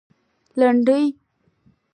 لنډۍ